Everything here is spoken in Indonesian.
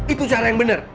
itu cara yang bener